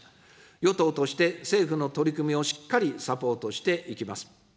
与党として、政府の取り組みをしっかりサポートしていきます。